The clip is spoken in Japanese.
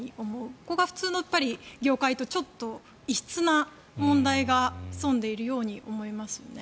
そこが普通の業界とちょっと異質の問題が潜んでいるように思いますね。